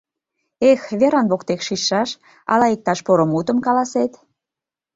Эх, Веран воктек шичшаш: ала иктаж поро мутым каласет?!